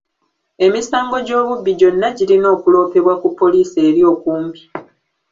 Emisango gy'obubbi gyonna girina okuloopebwa ku poliisi eri okumpi.